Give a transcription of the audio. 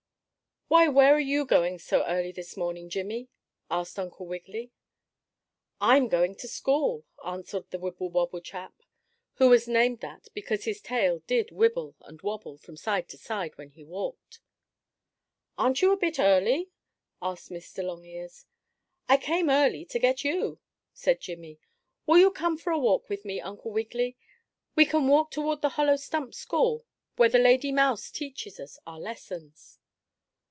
"Why where are you going so early this morning, Jimmie?" asked Uncle Wiggily. "I'm going to school," answered the Wibblewobble chap, who was named that because his tail did wibble and wobble from side to side when he walked. "Aren't you a bit early?" asked Mr. Longears. "I came early to get you," said Jimmie. "Will you come for a walk with me, Uncle Wiggily? We can walk toward the hollow stump school, where the lady mouse teaches us our lessons."